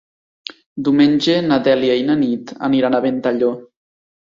Diumenge na Dèlia i na Nit aniran a Ventalló.